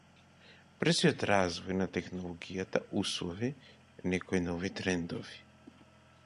Брзиот развој на технологијата услови некои нови трендови.